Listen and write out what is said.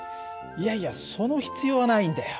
いやいやその必要はないんだよ。